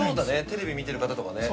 テレビ見てる方とかね